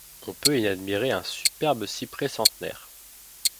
On peut y admirer un superbe cyprès centenaire.